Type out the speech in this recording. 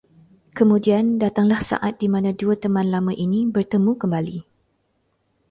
Kemudian datanglah saat dimana dua teman lama ini bertemu kembali